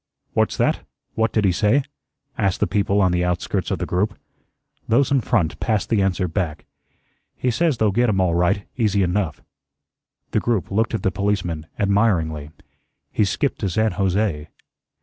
What's that? What did he say?" asked the people on the outskirts of the group. Those in front passed the answer back. "He says they'll get him all right, easy enough." The group looked at the policeman admiringly. "He's skipped to San Jose."